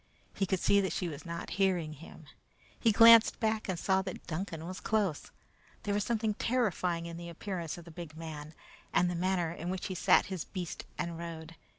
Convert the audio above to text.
He could see that she was not hearing him. He glanced back and saw that Duncan was close. There was something terrifying in the appearance of the big man, and the manner in which he sat his beast and rode.